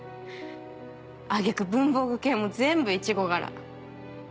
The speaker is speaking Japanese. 揚げ句文房具系も全部イチゴ柄。